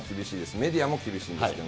メディアも厳しいんですけど。